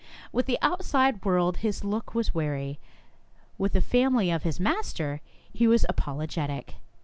With the outside world his look was wary. With the family of his master he was apolo getic.